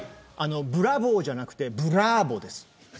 ブラボーじゃなくてブラーボです。